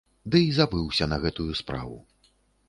Ды і забыўся на гэтую справу.